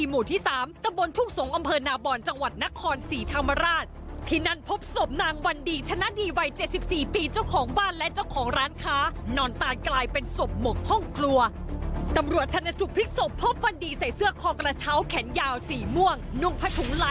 มันเกิดอะไรขึ้นไปเจาะลึกประเด็นร้อนจากร้านค่ะ